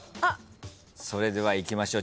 それではいきましょう。